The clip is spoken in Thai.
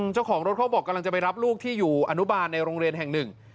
เจ้าของรถเขาบอกกำลังจะไปรับลูกที่อยู่อนุบาลในโรงเรียนแห่งหนึ่ง